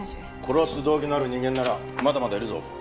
殺す動機のある人間ならまだまだいるぞ。